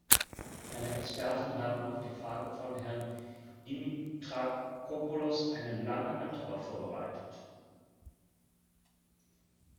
Meine Experten haben auf die Frage von Herrn Dimitrakopoulos eine lange Antwort vorbereitet.